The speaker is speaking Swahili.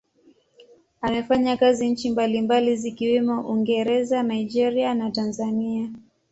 Amefanya kazi nchi mbalimbali zikiwemo Uingereza, Nigeria na Tanzania.